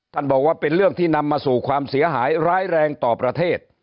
บอกว่าเป็นเรื่องที่นำมาสู่ความเสียหายร้ายแรงต่อประเทศ